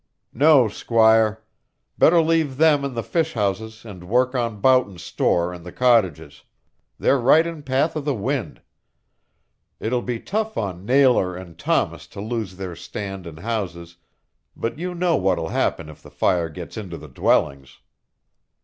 "No, squire. Better leave them and the fish houses and work on Boughton's store and the cottages. They're right in the path of the wind. It'll be tough on Nailor and Thomas to lose their stand and houses, but you know what will happen if the fire gets into the dwellings."